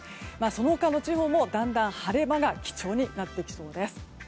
その他の地方もだんだん晴れ間が貴重になってきそうです。